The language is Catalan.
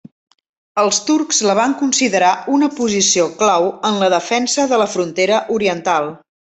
Els turcs la van considerar una posició clau en la defensa de la frontera oriental.